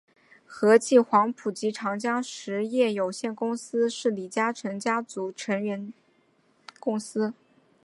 和记黄埔及长江实业有限公司是李嘉诚家族成员公司。